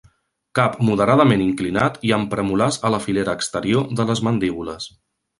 Cap moderadament inclinat i amb premolars a la filera exterior de les mandíbules.